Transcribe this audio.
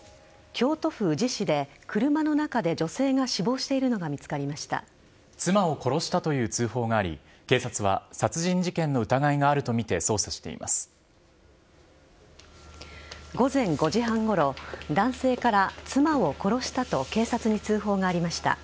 京都府宇治市で車の中で女性が死亡しているのが妻を殺したという通報があり警察は殺人事件の疑いがあるとみて午前５時半ごろ男性から妻を殺したと警察に通報がありました。